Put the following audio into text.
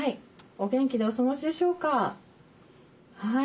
お元気でお過ごしでしょうか？